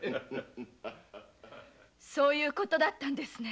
・そういうことだったんですね。